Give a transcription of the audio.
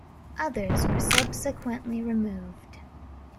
Others were subsequently removed.